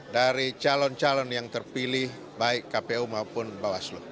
dari calon calon yang terpilih baik kpu maupun bawaslu